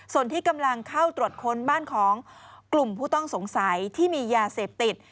ส่วนที่กำลังเข้าตรวจค้นบ้านของกลุ่มผู้ต้องสงสัยที่มียาเสพติด